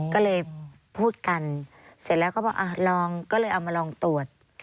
ก็เลยพูดกันเสร็จแล้วก็บอกลองก็เลยเอามาลองตรวจ